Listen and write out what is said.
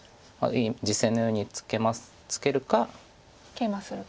実戦のようにツケるかケイマするか。